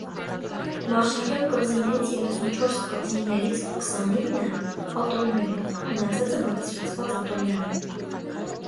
Մարշալյան կղզիներից երեսունչորս կղզիներց քսանինը ատոլներ են, մնացածը բարձրացված ատոլներ են։